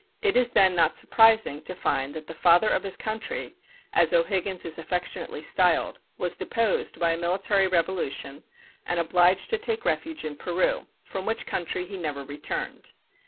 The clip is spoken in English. It is then not surprising to find that the Father of his Country, as O'Higgins is affectionately styled, was deposed by a military revolution, and obliged to take refuge in Peru, from which country he never returned.